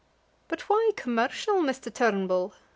"But why commercial, Mr. Turnbull?"